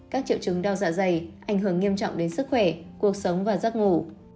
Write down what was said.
các triệu chứng đau dạ dày ảnh hưởng nghiêm trọng đến sức khỏe cuộc sống và giấc ngủ